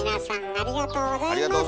ありがとうございます！